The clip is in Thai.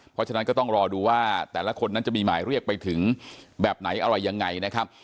เพราะฉะนั้นก็ต้องรอดูว่าแต่ละคนนั้นจะมีหมายเรียกไปถึงแบบไหนอะไรยังไงนะครับ